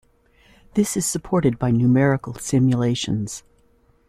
This is supported by numerical simulations.